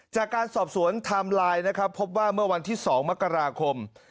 จากการสอบสวนไทม์ไลน์นะครับพบว่าเมื่อวันที่๒มกราคม